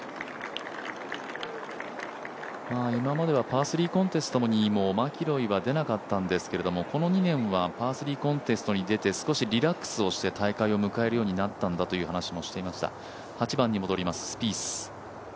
今まではパー３コンテストにも、マキロイは出なかったんですけどこの２年はパー３コンテストに出て少しリラックスをして大会を迎えるようになったんだと話していました。